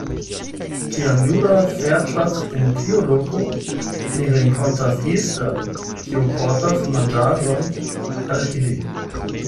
Kiam Juda serĉas en tiu loko, li renkontas Ester, kiu portas manĝaĵon al ili.